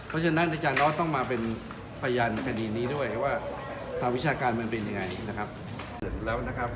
เพราะฉะนั้นอาจารย์ออสต้องมาเป็นพยานในคดีนี้ด้วยว่าทางวิชาการมันเป็นยังไงนะครับ